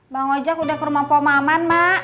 bang ojak udah ke rumah pak maman mak